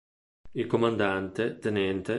Il comandante, ten.